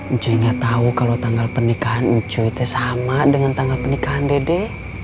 ibu gak tau kalau tanggal pernikahan ibu itu sama dengan tanggal pernikahan dede